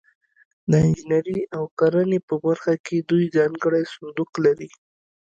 د انجنیري او کرنې په برخه کې دوی ځانګړی صندوق لري.